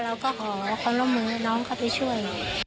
เราก็ขอความร่วมมือให้น้องเขาไปช่วย